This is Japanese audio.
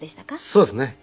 そうですね。